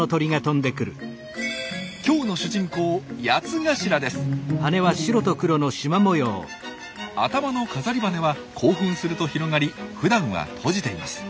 今日の主人公頭の飾り羽は興奮すると広がりふだんは閉じています。